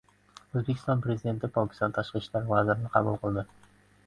O‘zbekiston Prezidenti Pokiston tashqi ishlar vazirini qabul qildi